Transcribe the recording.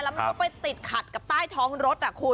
เราต้องไปติดขัดท้องรถ